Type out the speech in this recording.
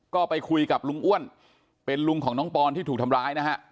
ก็ไปคุยกับลุงอ้วนเป็นลุงของน้องปอนที่ถูกทำร้ายนะฮะ